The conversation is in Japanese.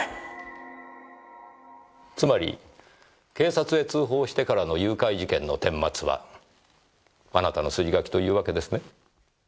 つまり警察へ通報してからの誘拐事件の顛末はあなたの筋書きというわけですね。